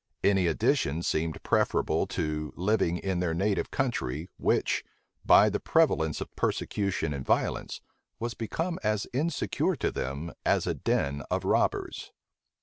Any condition seemed preferable to the living in their native country, which, by the prevalence of persecution and violence, was become as insecure to them as a den of robbers.